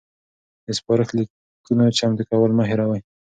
د سپارښت لیکونو چمتو کول مه هیروئ.